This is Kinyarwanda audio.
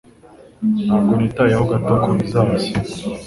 Ntabwo nitayeho gato kubizaza .